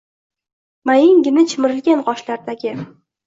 Mayingina chimirilgan qoshlardagi